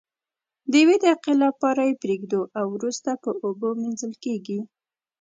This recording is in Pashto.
د یوې دقیقې لپاره یې پریږدو او وروسته په اوبو مینځل کیږي.